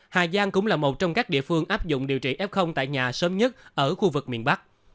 hà giang cũng là một trong các địa phương áp dụng điều trị f tại nhà sớm nhất ở khu vực miền bắc